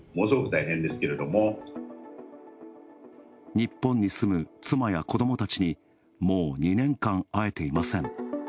日本に住む妻や子どもたちにもう２年間会えていません。